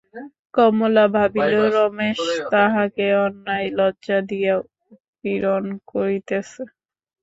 কমলা ভাবিল, রমেশ তাহাকে অন্যায় লজ্জা দিয়া উৎপীড়ন করিতেছে।